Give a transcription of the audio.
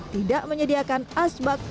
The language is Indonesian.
tidak menyediakan asbak